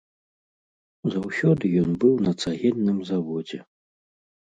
Заўсёды ён быў на цагельным заводзе.